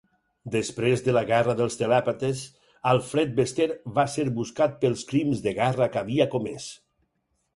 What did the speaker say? Després de la Guerra dels Telèpates, Alfred Bester va ser buscat pels crims de guerra que havia comès.